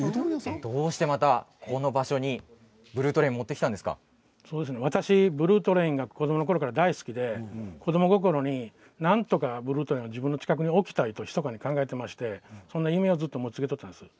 どうしてまたこの場所にブルートレインを私はブルートレイン子どものころから大好きで子ども心になんとかブルートレインを自分の近くに置きたいと思っておりましてその夢を持ち続けていたんです。